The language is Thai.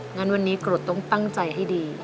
งั้นวันนี้กรดต้องตั้งใจให้ดี